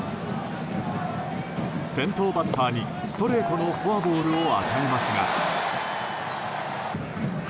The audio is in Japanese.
先頭バッターにストレートのフォアボールを与えますが。